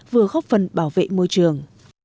vừa góp phần bảo vệ môi trường